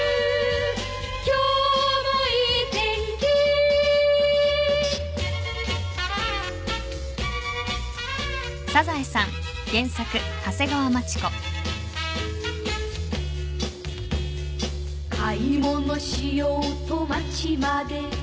「今日もいい天気」「買い物しようと街まで」